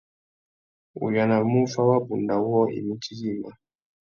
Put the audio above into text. U yānamú u fá wabunda wôō imití yïmá.